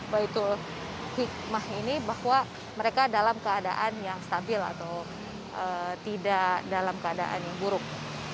baitul hikmah ini bahwa mereka dalam keadaan yang stabil atau tidak dalam keadaan buruk